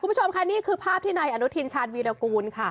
คุณผู้ชมค่ะนี่คือภาพที่นายอนุทินชาญวีรกูลค่ะ